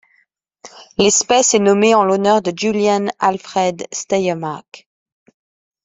L'espèce est nommée en l'honneur de Julian Alfred Steyermark.